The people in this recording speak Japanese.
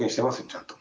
ちゃんと。